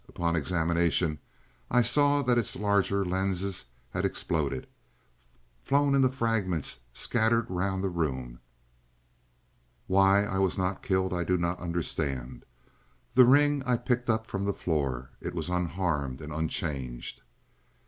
Upon examination I saw that its larger lens had exploded flown into fragments scattered around the room. Why I was not killed I do not understand. The ring I picked up from the floor; it was unharmed and unchanged.